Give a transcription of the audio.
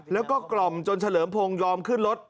แล้วก็กล่อมจนเฉลิมพงศ์ยอมขึ้นรถ